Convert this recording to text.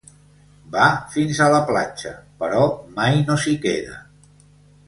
Va fins a la platja, però mai no s'hi queda.